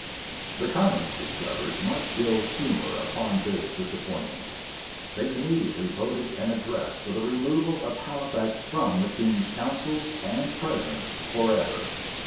The commons discovered much ill humor upon this disappointment. They immediately voted an address for the removal of Halifax from the king's councils and presence forever.